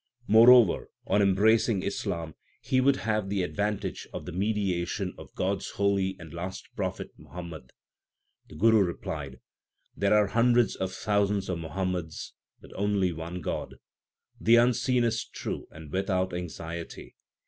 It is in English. Moreover, on embracing Islam he would have the advantage of the mediation of God s holy and last prophet Muhammad. The Guru replied : There are hundreds of thousands of Muhammads, but only one God. The Unseen is true and without anxiety.